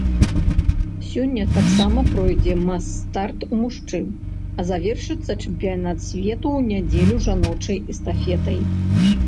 Сёння таксама пройдзе мас-старт у мужчын, а завершыцца чэмпіянат свету ў нядзелю жаночай эстафетай.